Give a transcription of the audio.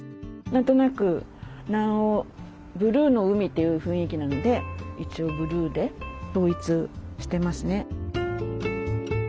何となく南欧ブルーの海という雰囲気なので一応ブルーで統一してますね。